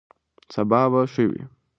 سبا به ښه وي.